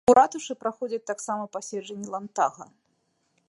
У ратушы праходзяць таксама паседжанні ландтага.